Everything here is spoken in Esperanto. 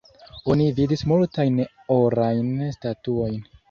Oni vidis multajn orajn statuojn.